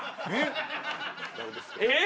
えっ！